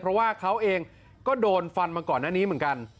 เพราะว่าเขาเองก็โดนฟันมาก่อนหน้านี้เหมือนกัน